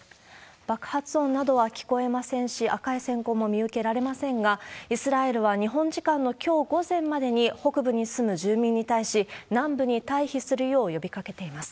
爆発音などは聞こえませんし、赤いせん光も見受けられませんが、イスラエルは日本時間のきょう午前までに、北部に住む住民に対し、南部に退避するよう呼びかけています。